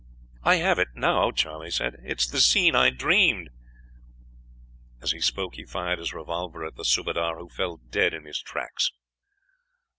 "'I have it now,' Charley said; 'it is the scene I dreamed.' "As he spoke he fired his revolver at the subadar, who fell dead in his tracks.